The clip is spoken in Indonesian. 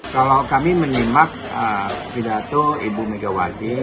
kalau kami menyimak pidato ibu megawati